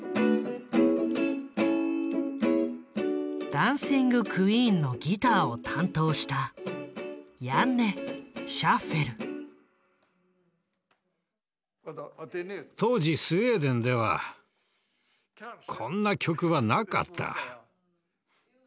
「ダンシング・クイーン」のギターを担当した当時スウェーデンではこんな曲はなかった。